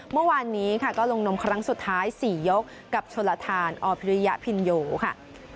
เมื่อวานนี้ค่ะก็ลงนมครั้งสุดท้าย๔ยกกับชนลทานอภิริยพินโยค่ะ